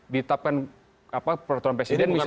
ditapkan peraturan presiden misalnya